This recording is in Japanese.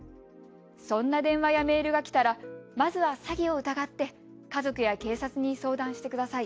そんな電話やメールが来たらまずは詐欺を疑って、家族や警察に相談してください。